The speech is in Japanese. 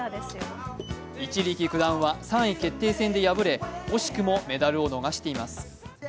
一力九段は３位決定戦で敗れ惜しくもメダルを逃しています。